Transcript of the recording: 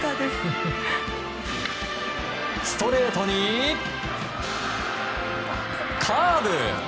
ストレートに、カーブ。